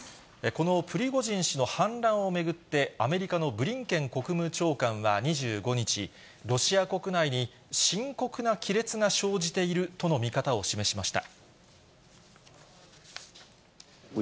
このプリゴジン氏の反乱を巡って、アメリカのブリンケン国務長官は２５日、ロシア国内に深刻な亀裂が生じているとの見方を示しました。